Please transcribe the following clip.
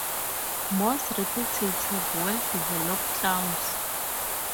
Most reptiles have well-developed claws.